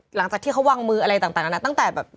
หลังจากที่เขาวางมืออะไรต่างนานาตั้งแต่แบบ